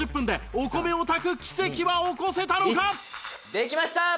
「できました！